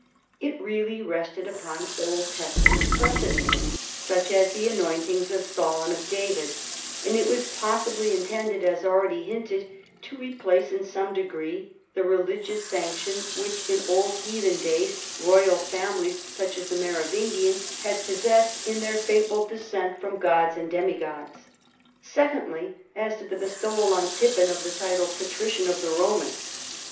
It really rested upon Old Testament precedents, such as the anointings of Saul and of David : and it was possibly intended, as already hinted, to replace in some degree the religious sanction which in old heathen days royal families, such as the Merovin PIPPIN, KING OF THE FRANKS. 93 g'ians, had possessed in their fabled descent from oods and deiTii o:ods. Secondly : as to the bestowal on Pippin of the title " Patrician of the Eomans."